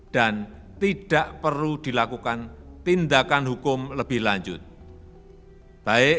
dan tidak perlu dilakukan tindakan yang berlaku lagi